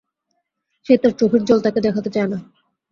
সে তার চোখের জল তাকে দেখাতে চায় না।